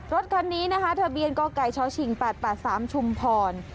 รถคันนี้นะคะทะเบียนกไก่ชชิง๘๘๓ชุมพร